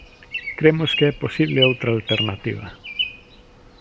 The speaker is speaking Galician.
Cremos que é posible outra alternativa.